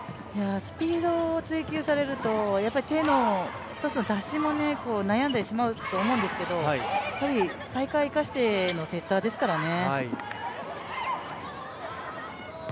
スピードを追求されると、手のトスの出しも悩んだりするんですけどスパイカー生かしてのセッターですからね。